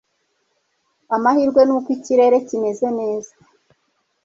Amahirwe nuko ikirere kimeze neza